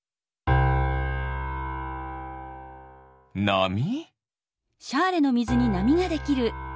なみ？